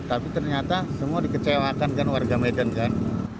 tapi ternyata semua dikecewakan kan warga medan kan